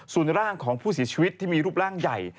ส่วนร่างของผู้เสียชีวิตที่มีรูปร่างใหญ่